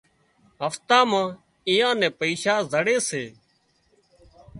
هفتا مان اييئان نين پئيشا زڙي سي